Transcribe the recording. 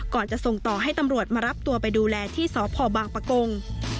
ก่อนจะส่งต่อให้ตำรวจมารับตัวไปดูแลที่สพบางปะกง